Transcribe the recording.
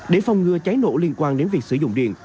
để phòng ngừa cháy nổ liên quan đến việc sử dụng điện